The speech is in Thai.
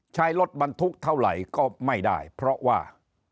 ใช้รถบรรทุกเท่าไหร่ก็ไม่ได้เพราะว่า